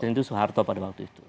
dan itu soeharto pada waktu itu